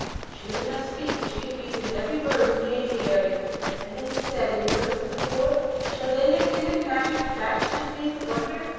She would not speak till she had beaten every bird in the aviary, and then said in the words of the poet: Shall they that deal in magic match degrees of wonder?